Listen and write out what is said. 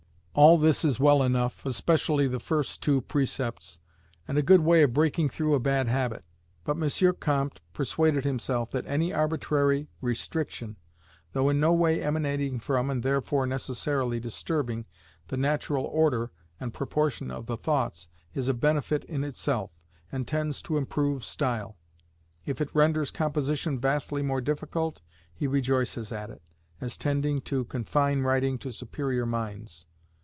All this is well enough, especially the first two precepts, and a good way of breaking through a bad habit. But M. Comte persuaded himself that any arbitrary restriction, though in no way emanating from, and therefore necessarily disturbing, the natural order and proportion of the thoughts, is a benefit in itself, and tends to improve style. If it renders composition vastly more difficult, he rejoices at it, as tending to confine writing to superior minds.